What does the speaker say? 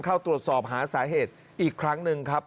เข้าตรวจสอบหาสาเหตุอีกครั้งหนึ่งครับ